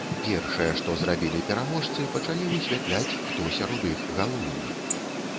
Першае, што зрабілі пераможцы, пачалі высвятляць, хто сярод іх галоўны.